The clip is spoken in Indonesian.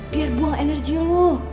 biar buang energi lo